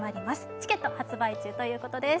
チケット発売中ということです。